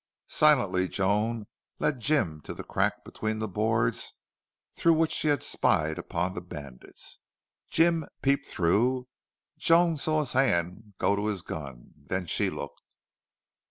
Silently Joan led Jim to the crack between the boards through which she had spied upon the bandits. Jim peeped through, and Joan saw his hand go to his gun. Then she looked.